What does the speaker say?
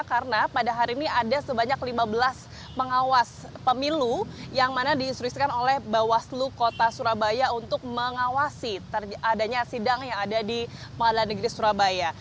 karena pada hari ini ada sebanyak lima belas pengawas pemilu yang mana diinstruisikan oleh bawaslu kota surabaya untuk mengawasi adanya sidang yang ada di pengadilan negeri surabaya